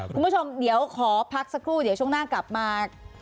คุณผู้ชมเดี๋ยวขอพักสักครู่เดี๋ยวช่วงหน้ากลับมา